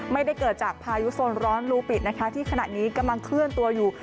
ไม่ได้เกิดจากพายุโซนร้อนลูปิดนะคะที่ขณะนี้กำลังเคลื่อนตัวอยู่